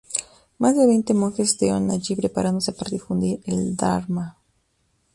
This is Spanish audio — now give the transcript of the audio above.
Más de veinte monjes estudiaron allí, preparándose para difundir el Dharma.